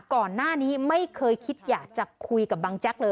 ก่อนหน้านี้ไม่เคยคิดอยากจะคุยกับบังแจ๊กเลย